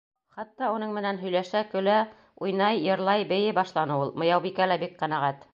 Хатта уның менән һөйләшә, көлә, уйнай, йырлай, бейей башланы ул. Мыяубикә лә бик ҡәнәғәт.